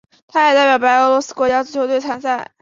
他也代表白俄罗斯国家足球队参赛。